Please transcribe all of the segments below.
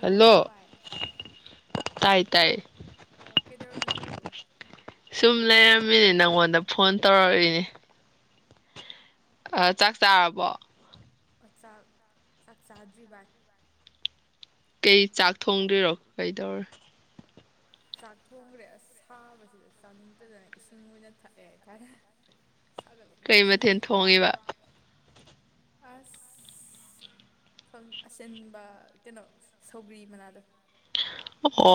hello ꯇꯥꯏ ꯇꯥꯏ ꯁꯨꯝ ꯂꯩꯔꯝꯃꯤꯅꯦ ꯅꯪꯉꯣꯟꯗ ꯐꯣꯟ ꯇꯧꯔꯛꯏꯅꯦ ꯑ ꯆꯥꯛ ꯆꯥꯔꯕꯣ ꯆꯥꯛ ꯆꯥꯛ ꯆꯥꯗ꯭ꯔꯤ ꯏ ꯀꯩ ꯆꯥꯛ ꯊꯣꯡꯗ꯭ꯣꯏꯔꯣ ꯀꯩꯗꯧꯔ ꯆꯥꯛ ꯊꯣꯡꯈ꯭ꯔꯦ ꯑꯁ ꯁꯥꯕꯁꯤꯗ ꯆꯥꯅꯤꯡꯗꯗꯅ ꯏꯁꯤꯡ ꯑꯣꯏꯅ ꯊꯛꯑꯦ ꯍꯥꯏꯇꯥꯔꯦ ꯁꯥꯒꯠꯂꯛꯄꯗ ꯏꯁꯤꯡ ꯌꯥꯝ ꯈꯧꯔꯥꯡꯕ ꯑꯁ ꯑꯁꯤꯟꯕ ꯀꯩꯅꯣ ꯁꯧꯒ꯭ꯔꯤ ꯃꯅꯥꯗꯣ ꯎꯄꯣ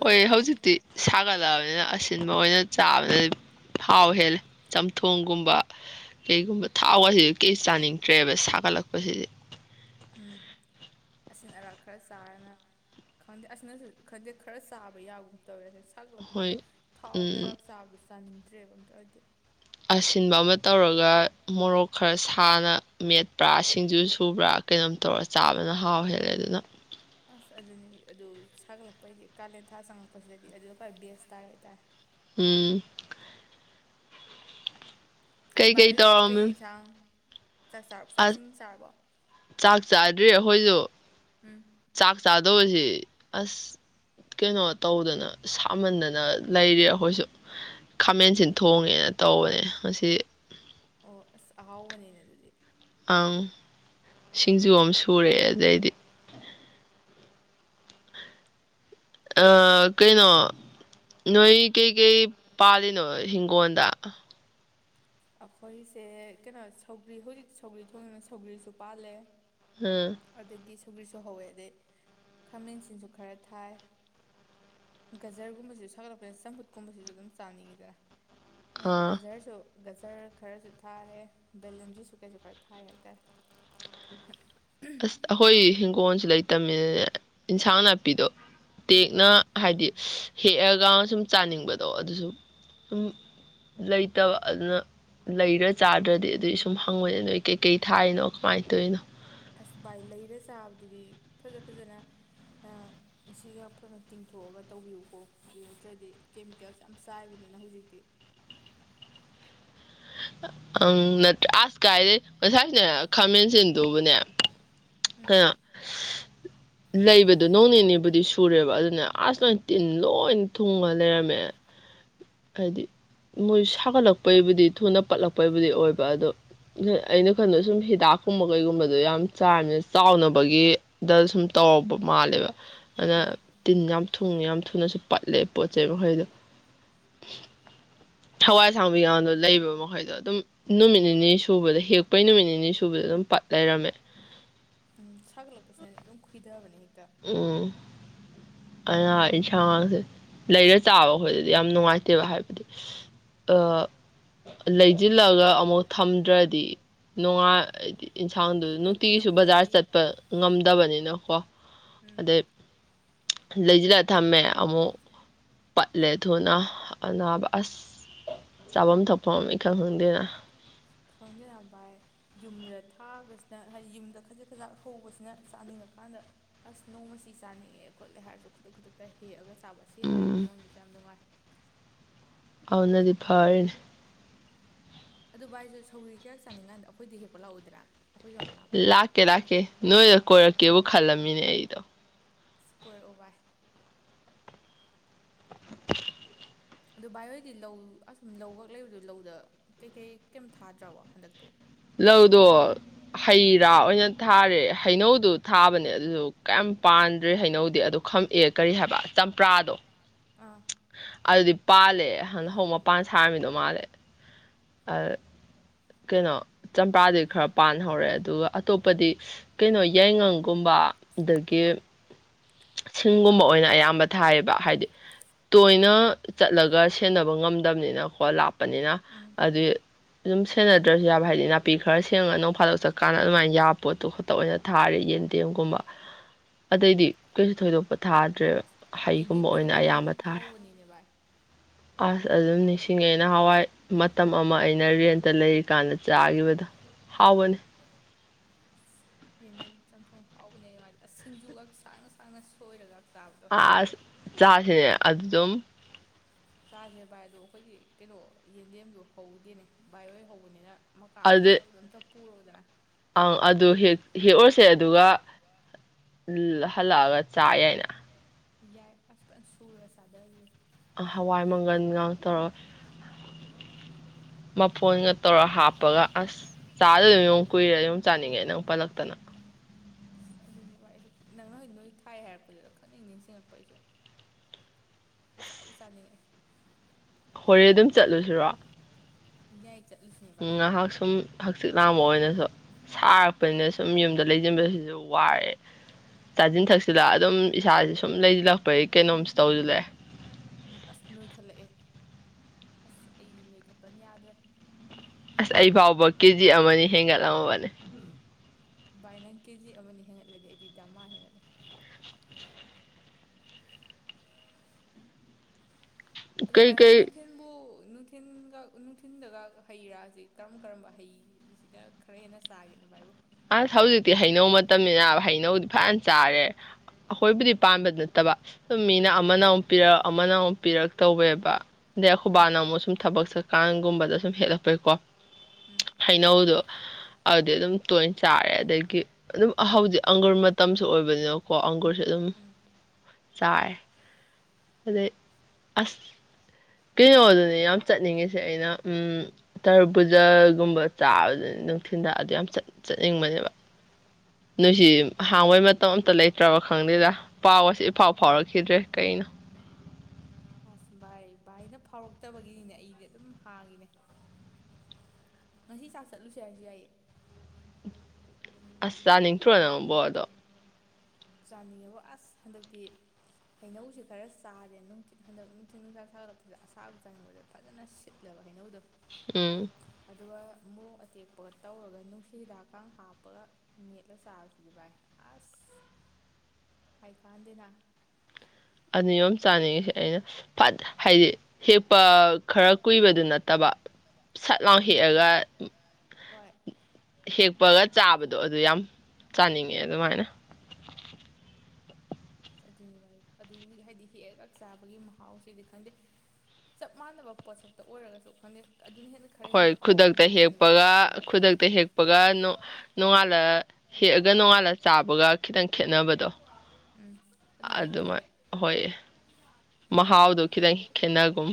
ꯍꯣꯏ ꯍꯧꯖꯤꯛꯇꯤ ꯁꯥꯒꯠꯂꯛꯑꯕꯅꯤꯅ ꯑꯁ ꯁꯤꯤꯟꯕ ꯑꯣꯏꯅ ꯆꯥꯕꯗꯗꯤ ꯊꯥꯎ ꯍꯦꯜꯂꯦ ꯆꯝꯊꯣꯡꯒꯨꯝꯕ ꯀꯩꯒꯨꯝꯕ ꯊꯥꯎꯒꯁꯤꯗꯤ ꯀꯩ ꯆꯥꯅꯤꯡꯗ꯭ꯔꯦꯕ ꯁꯥꯒꯠꯂꯛꯄꯁꯤꯗꯤ ꯎꯝ ꯑꯁꯤꯟ ꯑꯔꯥꯛ ꯈꯔ ꯆꯥꯔꯅ ꯈꯪꯗꯦ ꯑꯁꯤꯅꯁꯨ ꯈꯪꯗꯦ ꯈꯔ ꯆꯥꯕ ꯌꯥꯒꯨꯝ ꯇꯧꯋꯦ ꯁꯛꯂꯛꯄꯅꯤꯅ ꯊꯥꯎ ꯀꯩꯔꯥꯛ ꯆꯥꯕꯗꯨ ꯆꯥꯅꯤꯡꯗ꯭ꯔꯦꯕ ꯑꯝꯇ ꯑꯣꯏꯗꯤ ꯈꯔ ꯁꯥꯅ ꯃꯦꯠꯄ꯭ꯔꯥ ꯁꯤꯡꯖꯨ ꯁꯨꯕ꯭ꯔꯥ ꯀꯩꯅꯣꯝ ꯇꯧꯔ ꯆꯥꯕꯅ ꯍꯥꯎ ꯍꯦꯜꯂꯦ ꯑꯗꯨꯅ ꯑꯁ ꯑꯗꯨꯅꯤ ꯑꯗꯨ ꯁꯥꯒꯠꯂꯛꯄꯩꯗꯤ ꯀꯥꯂꯦꯟ ꯊꯥ ꯆꯪꯉꯛꯄꯁꯤꯗꯗꯤ ꯑꯗꯨꯅ ꯈ꯭ꯋꯥꯏ ꯕꯦꯁ ꯇꯥꯔꯦ ꯍꯥꯏꯇꯥꯔꯦ ꯎꯝ ꯑꯗ ꯌꯗꯤ ꯀꯩꯁꯥ ꯑꯁ ꯆꯥꯛ ꯆꯥꯗ꯭ꯔꯤ ꯑꯩꯈꯣꯏꯁꯨ ꯆꯥꯛ ꯆꯥꯗꯧꯁꯤ ꯑꯁ ꯀꯩꯅꯣ ꯇꯧꯗꯅ ꯁꯥꯃꯟꯗꯅ ꯂꯩꯔ ꯑꯩꯈꯣꯏꯁꯨ ꯈꯥꯃꯦꯟꯁꯤꯟ ꯊꯣꯡꯉꯦꯅ ꯇꯧꯕꯅꯦ ꯃꯁꯤ ꯑꯣ ꯑꯁ ꯑꯍꯥꯎꯕꯅꯤꯅꯦ ꯑꯗꯨꯗꯤ ꯑꯪ ꯁꯤꯡꯖꯨ ꯑꯃ ꯁꯨꯔꯑꯦ ꯑꯗꯩꯗꯤ ꯀꯩꯅꯣ ꯅꯣꯏ ꯀꯩꯀꯩ ꯄꯥꯜꯂꯤꯅꯣ ꯍꯤꯡꯒꯣꯜꯗ ꯑꯩꯈꯣꯏꯁꯦ ꯀꯩꯅꯣ ꯁꯧꯒ꯭ꯔꯤ ꯍꯧꯖꯤꯛ ꯁꯧꯒ꯭ꯔꯤ ꯊꯣꯡꯉꯅ ꯁꯧꯒ꯭ꯔꯤꯁꯨ ꯄꯥꯜꯂꯦ ꯑꯝ ꯁꯨꯒ꯭ꯔꯤꯁꯨ ꯍꯧꯋꯦ ꯑꯗꯩ ꯈꯥꯃꯦꯟꯁꯤꯁꯨ ꯈꯔ ꯊꯥꯏ ꯒꯖꯔꯒꯨꯝꯕꯁꯤꯁꯨ ꯁꯒꯠꯂꯛꯄꯅꯤꯅ ꯆꯝꯐꯨꯠꯀꯨꯝꯕꯁꯤꯁꯨ ꯑꯗꯨꯝ ꯆꯥꯅꯤꯡꯈꯤꯗꯅ ꯑꯗ ꯒꯖꯔꯁꯨ ꯒꯖꯔ ꯈꯔꯁꯨ ꯊꯥꯔꯦ ꯕꯦꯂꯦꯟꯗ꯭ꯔꯤꯁꯨ ꯀꯩꯁꯨ ꯈꯔ ꯊꯥꯏ ꯍꯥꯏꯇꯥꯔꯦ ꯑꯁ ꯑꯩꯈꯣꯏ ꯍꯤꯡꯒꯣꯜꯁꯨ ꯂꯩꯇꯃꯤꯅꯦ ꯏꯟꯁꯥꯡ ꯅꯥꯄꯤꯗꯣ ꯇꯦꯛꯅ ꯍꯥꯏꯗꯤ ꯍꯦꯛꯑꯒ ꯁꯨꯝ ꯆꯥꯅꯤꯡꯕꯗꯣ ꯑꯗꯨꯁꯨ ꯁꯨꯝ ꯂꯩꯇꯕ ꯑꯗꯨꯅ ꯂꯩꯔ ꯆꯥꯗ꯭ꯔꯗꯤ ꯑꯗꯨꯒꯤ ꯁꯨꯝ ꯍꯪꯉꯅꯤ ꯅꯣꯏ ꯀꯩꯀꯩ ꯊꯥꯔꯤꯅꯣ ꯀꯃꯥꯏꯅ ꯇꯧꯔꯤꯅꯣ ꯑꯁ ꯕꯥꯏ ꯂꯩꯔ ꯆꯥꯕꯗꯨꯗꯤ ꯐꯖ ꯐꯖꯅ ꯏꯁꯤꯒ ꯐꯖꯅ ꯇꯤꯡꯊꯣꯛꯑꯒ ꯇꯧꯕꯤꯌꯨꯀꯣ ꯑꯗꯨ ꯅꯠꯇ꯭ꯔꯗꯤ ꯀꯦꯃꯤꯀꯦꯜꯁ ꯌꯥꯝ ꯆꯥꯏꯕꯅꯤꯅ ꯍꯧꯖꯤꯛꯇꯤ ꯑꯪ ꯅꯠꯇ꯭ꯔ ꯑꯁ ꯀꯥꯏꯗꯩ ꯉꯩꯁꯥꯁꯤꯅ ꯈꯥꯃꯦꯟ ꯆꯦꯟꯗꯨꯧꯕꯅꯦ ꯑ ꯂꯩꯕꯗꯣ ꯅꯣꯡ ꯅꯤꯅꯤꯕꯨꯗꯤ ꯁꯨꯔꯦꯕ ꯑꯗꯨꯅꯦ ꯑꯁ ꯅꯣꯏ ꯇꯤꯟ ꯂꯣꯏꯅ ꯊꯨꯡꯉ ꯂꯩꯔꯝꯃꯦ ꯍꯥꯏꯗꯤ ꯃꯣꯏ ꯁꯥꯒꯠꯂꯛꯄꯩꯕꯨꯗꯤ ꯊꯨꯅ ꯄꯠꯂꯛꯄꯩꯕꯨꯗꯤ ꯑꯣꯏꯕ ꯑꯗꯣ ꯑꯩꯅ ꯈꯟꯗꯣ ꯁꯨꯝ ꯍꯤꯗꯥꯛꯀꯨꯝꯕ ꯀꯩꯒꯨꯝꯕꯗꯣ ꯌꯥꯝ ꯆꯥꯅꯤꯅ ꯆꯥꯎꯅꯕꯒꯤꯗ ꯁꯨꯝ ꯇꯧꯔꯛꯄ ꯃꯥꯜꯂꯦꯕ ꯑꯅ ꯇꯤꯟ ꯌꯥꯝ ꯊꯨꯡꯅ ꯌꯥꯝ ꯊꯨꯅꯁꯨ ꯄꯠꯂꯦ ꯄꯣꯠ ꯆꯩꯩ ꯃꯈꯩꯗꯣ ꯍꯋꯥꯏꯁꯥꯡꯕꯤꯒꯥꯡꯗꯣ ꯂꯩꯕ ꯃꯈꯩꯗꯣ ꯑꯗꯨꯝ ꯅꯨꯃꯤꯠ ꯅꯤꯅꯤ ꯁꯨꯕꯗ ꯍꯦꯛꯄꯩ ꯅꯨꯃꯤꯠ ꯅꯤꯅꯤ ꯁꯨꯕꯗ ꯑꯗꯨꯝ ꯎ ꯁꯒ ꯂ ꯇꯁꯅꯦ ꯈꯗ ꯕꯅꯦ ꯎꯝ ꯑ ꯌꯦꯟꯁꯥꯡꯥꯡꯁꯦ ꯂꯩꯔ ꯆꯥꯕ ꯈꯈꯣꯏꯗꯗꯤ ꯌꯥꯝ ꯅꯨꯡꯉꯥꯏꯇꯦꯕ ꯍꯥꯏꯕꯗꯤ ꯂꯩꯁꯤꯜꯂꯒ ꯑꯃꯨꯛ ꯊꯝꯗ꯭ꯔꯗꯤ ꯅꯨꯡꯉꯥꯏꯗꯤ ꯌꯦꯟꯁꯥꯡꯗꯨ ꯅꯨꯡꯇꯤꯒꯤꯁꯨ ꯕꯖꯥꯔ ꯆꯠꯄ ꯉꯝꯗꯕꯅꯤꯅꯣ ꯋꯥ ꯑꯗ ꯂꯩꯁꯤꯜꯂ ꯊꯝꯃꯦ ꯑꯃꯨꯛ ꯄꯠꯂꯦ ꯊꯨꯅ ꯑꯅꯥꯕ ꯑꯁ ꯆꯥꯐꯝ ꯊꯛꯐꯝ ꯏꯈꯪ ꯈꯪꯗꯦꯅ ꯈꯪꯗꯦꯅ ꯚꯥꯏ ꯌꯨꯝꯗ ꯊꯥꯕꯁꯤꯅ ꯍꯥꯏꯗꯤ ꯌꯨꯝꯗ ꯈꯖꯤꯛ ꯈꯖꯛ ꯍꯧꯕꯁꯤꯅ ꯆꯥꯅꯤꯡꯉꯀꯥꯟꯗ ꯑꯁ ꯅꯣꯡꯃ ꯁꯤ ꯆꯥꯅꯤꯡꯉꯦ ꯈꯣꯠꯂꯦ ꯍꯥꯏꯔꯁꯨ ꯈꯨꯗꯛ ꯈꯨꯗꯛꯇ ꯍꯦꯛꯑꯒ ꯆ ꯆꯥꯕ ꯑꯁꯤ ꯍꯥꯏꯔꯗꯤ ꯑꯃꯃꯝꯗꯨꯁꯨ ꯌꯥꯝ ꯅꯨꯡꯉꯥꯏ ꯑꯥꯎꯅꯗꯤ ꯐꯥꯔꯅꯦ ꯑꯗꯨꯣ ꯚꯥꯏꯁꯨ ꯁꯧꯔꯤ ꯀꯌꯥ ꯆꯥꯅꯤꯡꯀꯥꯟꯗ ꯑꯩꯈꯣꯏꯗꯤ ꯍꯦꯛꯄ ꯂꯥꯛꯎꯗ꯭ꯔꯥ ꯂꯥꯛꯀꯦ ꯂꯥꯛꯀꯦ ꯅꯣꯏꯔ ꯀ ꯀꯦꯕꯨꯣ ꯈꯜꯂꯝꯃꯤꯅꯦ ꯑꯩꯗꯣ ꯏꯁꯀꯔ ꯎꯕꯥꯏ [inaudible] ꯑꯗꯨ ꯚꯥꯏ ꯍꯣꯏꯗꯤ ꯂꯧ ꯑꯁꯨꯝ ꯂꯧ ꯈꯛ ꯂꯩꯕꯗꯨꯣ ꯂꯧꯗ ꯀꯩꯀꯩ ꯀꯩꯝ ꯊꯥꯗ꯭ꯔꯕꯣ ꯍꯟꯗꯛꯇꯤ ꯂꯧꯗꯣ ꯍꯩꯔꯥ ꯑꯣꯏꯅ ꯊꯥꯔꯦ ꯍꯩꯅꯧꯗꯨ ꯊꯥꯕꯅꯦ ꯑꯗꯨꯁꯨ ꯀꯌꯥꯝꯝ ꯄꯥꯟꯗ꯭ꯔꯦ ꯍꯩꯅꯧꯗꯤ ꯑꯗꯨ ꯈꯝꯃꯛꯑꯦ ꯀꯔꯤ ꯍꯥꯏꯕ ꯆꯝꯄ꯭ꯔꯥꯗꯣ ꯑꯗꯨꯗꯤ ꯄꯥꯜꯂꯦ ꯍꯗ ꯍꯧꯖꯤꯛ ꯃꯄꯥꯟ ꯁꯥꯔꯝꯃꯤꯅꯣ ꯃꯥꯜꯂꯦ ꯑ ꯀꯩꯅꯣ ꯆꯝꯄ꯭ꯔꯥꯗꯤ ꯈꯔ ꯄꯥꯟꯍꯧꯔꯦ ꯑꯗꯨꯒ ꯑꯇꯣꯞꯄꯗꯤ ꯀꯩꯅꯣ ꯌꯥꯏꯉꯪꯒꯨꯝꯕ ꯑꯗꯒꯤ ꯁꯤꯡꯒꯨꯝꯕ ꯑꯣꯏꯅ ꯑꯌꯥꯝꯕ ꯊꯥꯏꯌꯦꯕ ꯍꯥꯏꯗꯤ ꯇꯣꯏꯅ ꯆꯠꯂꯒ ꯁꯦꯟꯅꯕ ꯉꯝꯗꯕꯅꯤꯅꯀꯣ ꯂꯥꯞꯄꯅꯤꯅ ꯑꯗꯨ ꯑꯗꯨꯝ ꯁꯦꯟꯅꯗ꯭ꯔꯁꯨ ꯌꯥꯕ ꯍꯥꯏꯗꯤ ꯅꯥꯄꯤ ꯈꯔ ꯁꯦꯡꯉꯒ ꯅꯣꯡ ꯐꯥꯗꯣꯛ ꯆꯠꯀꯥꯟꯗ ꯑꯗꯨꯃꯥꯏꯅ ꯌꯥꯕ ꯄꯣꯠꯇꯨ ꯈꯛꯇ ꯑꯣꯏꯅ ꯊꯥꯔꯦ ꯌꯦꯟꯗꯦꯝꯒꯨꯝꯕ ꯑꯗꯩꯗꯤ ꯀꯩꯁꯨ ꯊꯣꯏꯗꯣꯛꯄ ꯊꯥꯗ꯭ꯔꯦ ꯍꯩꯒꯨꯝꯕ ꯑꯣꯏꯅ ꯑꯌꯥꯝꯕ ꯊꯥꯔꯦ ꯑꯁ ꯑꯗꯨꯝ ꯅꯤꯡꯁꯤꯡꯉꯦ ꯑꯩꯅ ꯍꯋꯥꯏ ꯃꯇꯝ ꯑꯃ ꯑꯩꯅ ꯔꯦꯟꯇ ꯂꯩꯔꯤꯀꯥꯟꯗ ꯆꯥꯈꯤꯕꯗꯣ ꯍꯥꯎꯕꯅꯤ ꯌꯦꯟꯊꯦꯝ ꯆꯝꯊꯣꯡ ꯍꯥꯎꯕꯅꯦ ꯑꯗꯨ ꯃꯥꯗꯤ ꯁꯤꯡꯖꯨꯒ ꯁꯥꯡꯅ ꯁꯥꯡꯅ ꯁꯣꯏꯔꯒ ꯑ ꯑꯁ ꯆꯥꯁꯤꯅꯦ ꯑꯗꯨ ꯑꯗꯨꯝ ꯆꯥꯁꯦ ꯚꯥꯏ ꯑꯗꯣ ꯑꯩꯈꯣꯏꯒꯤ ꯀꯩꯅꯣ ꯌꯦꯟꯗꯦꯝꯗꯣ ꯍꯧꯗꯦꯅꯦ ꯚꯏ ꯍ ꯍꯧꯕꯅꯤꯅ ꯃꯀꯥ ꯐꯖꯕꯗꯣꯝꯇ ꯄꯨꯔꯣꯗ꯭ꯔ ꯑ ꯑꯗꯨ ꯍꯦ ꯁꯦ ꯑꯗꯨꯒ ꯎ ꯍꯜꯂꯛꯑꯒ ꯆꯥꯏ ꯍꯥꯏꯅ ꯌꯥꯏ ꯑꯁ ꯄ ꯁꯨꯔꯒ ꯁꯥꯗꯁꯦ ꯍꯋꯥꯏ ꯃꯪꯒꯜꯒꯥꯛ ꯇꯧꯔꯒ ꯃꯐꯣꯟꯒ ꯇꯧꯔ ꯍꯥꯞꯄꯒ ꯑꯁ ꯆꯥꯗ ꯑꯗꯨꯝ ꯌꯉ ꯀꯨꯏꯔꯦ ꯌ ꯆꯥꯅꯤꯡꯉꯦ ꯅꯪ ꯄꯜꯂꯛꯇꯅ ꯑꯗꯨꯅꯤ ꯋꯥ ꯑꯩꯁꯨ ꯅꯪꯅ ꯍꯧꯖꯤꯛ ꯅꯣꯏ ꯊꯥꯏ ꯍꯥꯏꯔꯛꯄꯗꯨꯗ ꯈꯪꯅꯤꯡ ꯅꯤꯡꯁꯤꯡꯉꯛꯄ ꯑꯩꯁꯨ ꯆꯥꯕꯨ ꯆꯥꯅꯤꯡꯉꯛꯑꯦ ꯍꯣꯔꯦꯟ ꯑꯗꯨꯝ ꯆꯠꯂꯨꯁꯤꯔꯣ ꯌꯥꯏ ꯎ ꯉꯥꯏꯍꯥꯛ ꯁꯨꯝ ꯍꯛꯆꯤꯠ ꯂꯥꯡꯝꯕ ꯑꯣꯏꯅꯁꯨ ꯁꯥꯔꯛꯄꯅꯤꯅ ꯁꯨꯝ ꯌꯨꯝꯗ ꯂꯩꯁꯤꯟꯕꯁꯤꯁꯨ ꯋꯥꯑꯦ ꯆꯥꯁꯤꯟ ꯊꯛꯁꯤꯜꯂ ꯑꯗꯨꯝ ꯏꯁꯥꯥꯁꯦ ꯁꯨꯝ ꯂꯩꯁꯤꯜꯂꯛꯄꯒꯤ ꯀꯩꯅꯣꯝꯁꯨ ꯇꯧꯁꯤꯜꯂꯛꯑꯦ ꯑꯁ ꯑꯩꯗꯤ ꯅꯣꯏꯈꯠꯄꯅ ꯌꯥꯗ꯭ꯔꯦ ꯑꯁ ꯑꯩ ꯐꯥꯎꯕ ꯀꯦꯖꯤ ꯑꯃ ꯍꯦꯟꯒꯠꯂꯝꯕꯅꯦ ꯕꯥꯏ ꯅꯪ ꯀꯦꯖꯤ ꯑꯃꯅꯤ ꯍꯦꯟꯒꯠꯂꯗꯤ ꯑꯩꯗꯤ ꯗꯃꯦ ꯑꯗꯨ ꯚꯥꯏ ꯍꯣꯏ ꯅꯨꯡꯊꯤꯟꯕꯨ ꯅꯨꯡꯊꯤꯟꯒ ꯅꯨꯡꯊꯤꯟꯗꯒ ꯍꯩꯔꯥꯁꯤ ꯀꯔꯝ ꯀꯔꯝꯕ ꯍꯩꯁꯤꯅ ꯈꯔ ꯍꯦꯟꯅ ꯆꯥꯒꯦꯅ ꯚ ꯍꯥꯏꯕꯨ ꯆꯥꯔꯦ ꯑꯩꯈꯣꯏꯕꯨꯗꯤ ꯄꯥꯟꯕ ꯅꯠꯇꯕ ꯁꯨꯝ ꯃꯤꯅ ꯑꯃꯅ ꯑꯃꯨꯛ ꯄꯤꯔꯛ ꯑꯃꯅ ꯑꯃꯨꯛ ꯄꯤꯔꯛꯛꯇꯧꯕꯕ ꯑꯗꯩ ꯍꯨꯕꯥꯟ ꯑꯃꯨꯛ ꯁꯨꯝ ꯊꯕꯛ ꯆꯠꯀꯥꯟꯒꯨꯝꯕꯗ ꯑꯗꯨꯝ ꯍꯦꯜꯂꯛꯄꯩꯀꯣ ꯍꯩꯅꯧꯗꯣ ꯑꯗꯦ ꯑꯗꯨ ꯇꯣꯏꯅ ꯆꯥꯔꯦ ꯑꯗꯒꯤ ꯑꯗꯨꯝ ꯍꯧꯖꯤꯛ ꯑꯪꯒꯨꯔ ꯃꯇꯝꯁꯨ ꯑꯣꯏꯕꯅꯤꯅꯀꯣ ꯑꯪꯒꯨꯔꯁꯨ ꯑꯗꯨꯝ ꯆꯥꯏꯔꯦ ꯑꯗ ꯑꯁ ꯀꯩꯅꯣꯗꯨꯅꯤ ꯌꯥꯝ ꯆꯠꯅꯤꯡꯉꯤꯁꯦ ꯑꯩꯅ ꯎꯝ ꯇꯔꯨ ꯄꯨꯖꯥꯒꯨꯝꯕ ꯆꯥꯕꯗꯨꯅꯤ ꯅꯨꯡꯊꯤꯜꯗ ꯑꯗꯨ ꯌꯥꯝ ꯆꯠꯅꯤꯡꯕꯅꯦꯕ ꯅꯨꯡꯁꯤ ꯍꯥꯡꯕꯩ ꯃꯇꯝ ꯑꯝꯇ ꯂꯩꯇ꯭ꯔꯕ ꯈꯪꯗꯦꯗ ꯄꯥꯎꯁ ꯏꯐꯥꯎ ꯐꯥꯎꯔꯛꯈꯤꯗ꯭ꯔꯦ ꯀꯩꯅꯣ ꯑꯁ ꯚꯥꯏ ꯚꯥꯏꯅ ꯐꯥꯎꯔꯛ ꯐꯠꯇꯕꯒꯤꯅꯤꯅꯦ ꯑꯩꯗꯤ ꯑꯗꯨꯝ ꯍꯥꯡꯉꯤꯅꯦ ꯉꯁꯤ ꯆꯥꯛ ꯆꯠꯂꯨꯁꯦ ꯍꯥꯏꯔꯁꯨ ꯌꯥꯏꯌꯦ ꯑꯁ ꯆꯥꯅꯤꯡꯊ꯭ꯔꯣ ꯅꯪꯕꯣ ꯑꯗꯣ ꯆꯥꯅꯤꯡꯉꯦꯕ ꯑꯁ ꯍꯟꯗꯛꯇꯤ ꯍꯩꯅꯧꯁꯤꯦ ꯈꯔ ꯆꯥꯔꯦ ꯅꯨꯡꯊꯤ ꯍꯟꯗꯛ ꯅꯨꯡꯊꯤꯤꯟ ꯅꯨꯡꯁꯥ ꯁꯥꯒꯠꯂꯛꯄꯁꯤꯗ ꯑꯁꯥꯕ ꯆꯥꯅꯤꯡꯕꯗ ꯐꯖꯅ ꯁꯤꯠꯂꯦꯕ ꯍꯩꯅꯧꯗꯣ ꯎꯝ ꯑꯗꯨꯒ ꯃꯣꯔꯣꯛ ꯑꯇꯦꯛꯄꯒ ꯇꯧꯔꯒ ꯅꯨꯡꯁꯤ ꯍꯤꯗꯥꯛꯀꯥꯡ ꯍꯥꯞꯄꯒ ꯃꯦꯠꯂ ꯆꯥꯕꯁꯤꯗꯤ ꯚꯥꯏ ꯑꯁ ꯍꯥꯏ ꯀꯥꯟꯗꯦꯅ ꯑꯅꯤꯌꯣꯝ ꯆꯥꯅꯤꯡꯉꯤꯁꯦ ꯑꯩꯅ ꯐꯠ ꯍꯥꯏꯗꯤ ꯍꯦꯛꯄ ꯈꯔ ꯀꯨꯏꯕꯗꯨ ꯅꯠꯇꯕ ꯁꯠ ꯂꯥꯎ ꯍꯦꯛꯑꯒ ꯍꯣꯏ ꯍꯦꯛꯄꯒ ꯆꯥꯕꯗꯣ ꯑꯗꯨ ꯌꯥꯝ ꯆꯥꯅꯤꯡꯉꯦ ꯑꯗꯨꯃꯥꯏꯅ ꯑꯁ ꯑꯗꯨꯅꯤ ꯚꯥꯏ ꯑꯗꯨꯒꯤ ꯍꯥꯏꯗꯤ ꯍꯦꯛꯒꯛ ꯆꯥꯕꯒꯤ ꯃꯍꯥꯎꯁꯤꯗꯤ ꯈꯪꯗꯦ ꯆꯞ ꯃꯥꯟꯅꯕ ꯄꯣꯠꯁꯛꯇ ꯑꯣꯏꯔꯒꯁꯨ ꯈꯪꯗꯦ ꯍꯣꯏ ꯈꯨꯗꯛꯇ ꯍꯦꯛꯄꯒ ꯈꯨꯗꯛꯇ ꯍꯦꯛꯄꯒ ꯅꯣꯡꯉꯥꯜꯂ ꯍꯦꯛꯑꯒ ꯅꯣꯡꯉꯥꯜꯂ ꯆꯥꯕꯒ ꯈꯤꯇꯪ ꯈꯦꯠꯅꯕꯗꯣ ꯑꯗꯨꯃꯥꯏ ꯍꯣꯏ ꯃꯍꯥꯎꯗꯣ ꯈꯤꯇꯪ ꯈꯦꯠꯅꯒꯨꯝ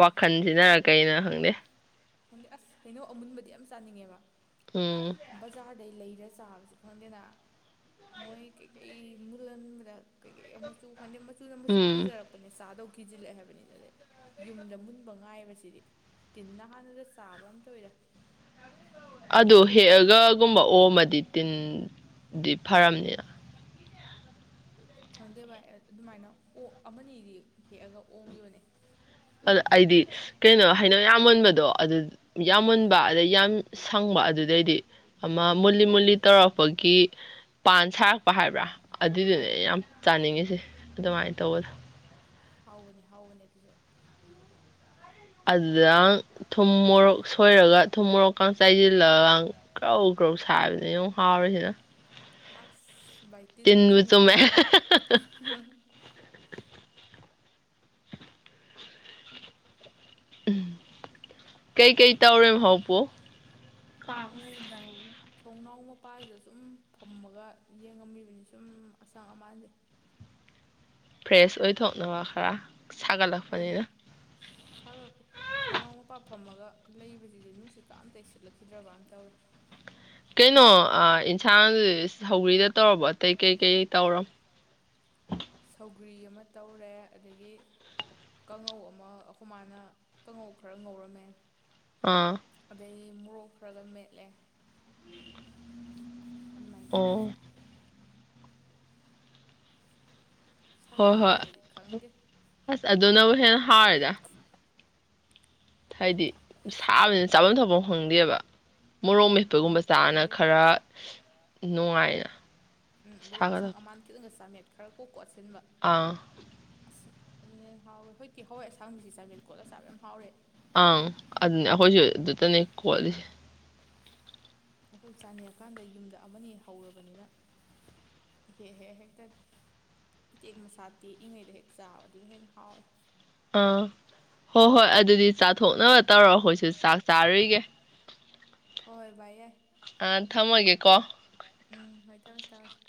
ꯋꯥꯈꯜꯁꯤꯅ ꯀꯩꯅꯣ ꯈꯪꯗꯦ ꯈꯪꯗꯤ ꯑꯁ ꯍꯩꯅꯧ ꯑꯃꯨꯟꯕꯗꯤ ꯌꯥꯝ ꯆꯥꯅꯤꯡꯉꯦꯕ ꯖꯔꯗ ꯂꯩꯔ ꯆꯥꯕꯁꯤ ꯈꯪꯗꯦꯅ ꯃꯣꯏ ꯀꯩꯀꯩ ꯃꯨꯜꯍꯟꯕꯗ ꯀꯩꯀꯩ ꯑꯃꯁꯨ ꯑꯩꯈꯟꯗꯦ ꯃꯆꯨꯗ ꯃꯆꯨ ꯐꯖꯔꯛꯄꯅꯦ ꯆꯥꯗꯧ ꯈꯈꯤꯖꯤ ꯂꯦ ꯍꯥꯏꯦꯕꯅꯤ ꯇꯦ ꯌꯨꯝꯗ ꯃꯨꯟꯕ ꯉꯥꯏꯕꯁꯤꯗꯤ ꯇꯤꯟꯅ ꯍꯥꯟꯅꯗ ꯆꯥꯕ꯭ꯔꯥ ꯑꯃ ꯇ ꯑꯣꯏꯔꯦ ꯑꯗꯨꯗꯣ ꯍꯦꯛꯑꯒꯒꯨꯝꯕ ꯑꯣꯝꯃꯗꯤ ꯇꯤꯟ ꯗꯤ ꯐꯔꯝꯅꯤꯅ ꯈꯪꯗꯦ ꯚꯥꯏ ꯑꯗꯨꯃꯥꯏꯅ ꯑꯃꯅꯤꯗꯤ ꯍꯦꯛꯑꯒ ꯑꯣꯡꯈꯤꯕꯅꯤ ꯑ ꯑꯩꯗꯤ ꯀꯩꯅꯣ ꯍꯥꯏꯩꯅ ꯌꯥꯝ ꯃꯨꯟꯕꯗꯣ ꯑꯗꯨ ꯌꯥꯝꯃꯨꯟꯕ ꯑꯗꯩ ꯌꯥꯝ ꯁꯪꯕ ꯑꯗꯨꯗꯩꯗꯤ ꯑꯃ ꯃꯨꯜꯂꯤ ꯃꯨꯜꯂꯤ ꯇꯧꯔꯛꯄꯒꯤ ꯄꯥꯟ ꯁꯥꯔꯛꯄ ꯍꯥꯏꯕ꯭ꯔꯥ ꯑꯗꯨꯏꯗꯨꯅꯦ ꯌꯥꯝ ꯆꯥꯅꯤꯡꯉꯤꯁꯦ ꯍꯥꯎꯕꯅꯤ ꯍꯥꯎꯕꯅꯦ ꯑꯗꯨꯁꯨ ꯑꯗꯨꯗ ꯊꯨꯝ ꯃꯣꯔꯣꯛ ꯁꯣꯏꯔꯒ ꯊꯨꯝ ꯃꯣꯔꯣꯛꯀ ꯆꯥꯏꯁꯤꯜꯂꯒ ꯀ꯭ꯔꯧ ꯀ꯭ꯔꯧ ꯁꯥꯥꯏꯕꯅꯤ ꯑꯃ ꯍꯥꯎꯔꯤꯁꯤꯅ ꯑꯁ ꯚꯥꯏ ꯇꯤꯟꯕꯨ ꯆꯨꯝꯃꯦꯩꯀꯣ ꯎꯝ ꯀꯩꯀꯩ ꯇꯧꯔꯦ ꯐꯥꯎꯄꯣ ꯊꯣꯡꯅꯥꯎ ꯃꯄꯥꯁꯤꯗ ꯁꯨꯝ ꯐꯝꯃꯒ ꯌꯦꯡꯉꯝꯃꯤꯕꯅꯤ ꯁꯨꯝ ꯑꯁꯪ ꯑꯃꯥꯟꯁꯦ ꯐ꯭ꯔꯦꯁ ꯑꯣꯏꯊꯣꯛꯅꯕ ꯈꯔ ꯁꯥꯒꯠꯂꯛꯄꯅꯤꯅ ꯂꯩꯕꯁꯤꯁꯨ ꯅꯨꯡꯁꯤꯠ ꯀꯥꯑꯝꯇ ꯁꯤꯠꯂꯛꯈꯤꯗ꯭ꯔꯕ ꯑꯝ ꯇꯧꯔꯦ ꯁꯧꯒ꯭ꯔꯤꯗꯨ ꯇꯧꯔꯕ ꯑꯇꯩ ꯀꯩꯀꯩ ꯇꯧꯔ ꯁꯧꯒ꯭ꯔꯤ ꯑꯃ ꯇꯧꯔꯦ ꯑꯗꯒꯤ ꯀꯥꯡꯉꯧ ꯑꯃ ꯑꯩꯈꯣꯏ ꯃꯥꯅ ꯀꯥꯡꯉꯧ ꯈꯔ ꯉꯧꯔꯝꯃꯦ ꯑꯥ ꯃꯣꯔꯣꯛꯈ꯭ꯔꯒ ꯃꯦꯠꯂꯦ ꯑꯗꯨꯃꯥꯏꯅ ꯇꯧꯔꯝꯃꯦ ꯚꯥꯏ ꯁꯥꯒꯠꯂꯛꯄꯁꯤꯗꯗꯤ ꯈꯪꯗꯦ ꯑꯗꯨꯅꯕꯨ ꯍꯦꯟꯅ ꯍꯥꯎꯔꯦꯗ ꯍꯥꯏꯗꯤ ꯁꯥꯕꯅꯤꯅ ꯆꯥꯐꯝ ꯊꯛꯐꯝ ꯈꯪꯗꯦꯕ ꯃꯣꯔꯣꯛ ꯃꯦꯠꯄꯒꯨꯝꯕ ꯆꯥꯕꯅ ꯈꯔ ꯅꯨꯡꯉꯥꯏꯅ ꯎꯝ ꯑꯗꯨꯒ ꯑꯁꯪ ꯑꯃꯥꯟ ꯈꯤꯇꯪꯒ ꯆꯥꯃꯦꯠ ꯈꯔ ꯀꯣꯛ ꯀꯦ ꯁꯤꯟꯕ ꯑꯁ ꯑꯗꯨꯅ ꯍꯦꯟ ꯍꯥꯎꯈ꯭ꯔꯦ ꯍꯧꯖꯤꯛꯇꯤ ꯍꯋꯥꯏ ꯑꯁꯥꯡꯕꯤꯁꯤ ꯆꯥꯃꯦꯠ ꯀꫭꯠꯂ ꯆꯥꯕ ꯌꯥꯝ ꯍꯥꯎꯔꯦ ꯑꯪ ꯑꯗꯨꯅꯤ ꯑꯩꯈꯣꯏꯁꯨ ꯑꯗꯨꯇꯅꯦ ꯀꫭꯠꯂꯤꯁꯦ ꯑꯩꯈꯣꯏ ꯆꯥꯅꯤꯡꯉꯀꯥꯟꯗ ꯌꯨꯝꯗ ꯑꯃꯅꯤ ꯍꯧꯔꯕꯅꯤꯅ ꯍꯦꯛ ꯑ ꯍꯦꯛ ꯑ ꯍꯦꯛꯇ ꯏꯇꯦꯛ ꯃꯁꯥ ꯇꯦꯛꯏꯉꯩꯗ ꯍꯦꯛ ꯆꯥꯕ ꯑꯗꯨꯗ ꯍꯦꯛꯟꯅ ꯍꯥꯎꯋꯦ ꯑꯥ ꯍꯣꯏ ꯍꯣꯏ ꯑꯗꯨꯗꯤ ꯆꯥꯊꯣꯛꯅꯕ ꯇꯧꯔ ꯑꯩꯈꯣꯏꯁꯨ ꯆꯥꯛ ꯆꯥꯔꯨꯔꯤꯒꯦ ꯍꯣꯏ ꯍꯣꯏ ꯚꯥꯏ ꯌꯥꯏ ꯑ ꯊꯝꯃꯒꯦꯀꯣ ꯎꯝ ꯍꯣꯏ ꯊꯝꯃꯁꯤ ꯊꯝꯃꯁꯤ